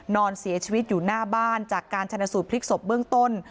นอนเสียชีวิตอยู่หน้าบ้านจากการชนะสูตรพลิกศพเบื้องต้น